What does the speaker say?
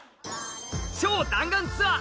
超弾丸ツアー